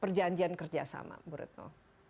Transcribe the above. perjanjian kerjasama menurutmu